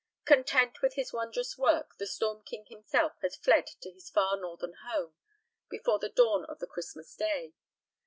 Content with his wondrous work, the storm king himself had fled to his far Northern home before the dawn of the Christmas day.